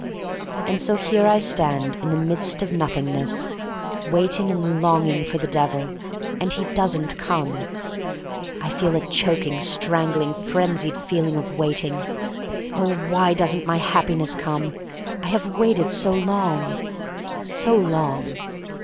And so here I stand in the midst of Nothingness waiting and longing for the Devil, and he doesn't come. I feel a choking, strangling, frenzied feeling of waiting — oh, why doesn't my Happiness come! I have waited so long — so long.